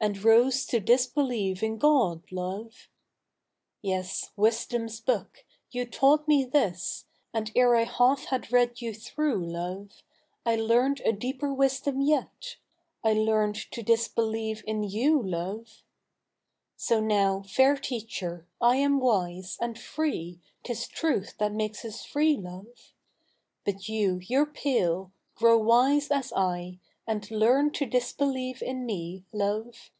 And rose to disbelieve in Cod, loz'e. Yes, wisdoni's book ! you taught me this, And ere I half had read you tlirough, loie, I learned a deeper wisdom yet —/ learned to disbelieve i?i yoti, love. So now, fair teacher, I am wise. And free : Uis truth that makes us free, loi'e. But you— you'' re pale I grow wise as /, And learn to disbelieve in me, love.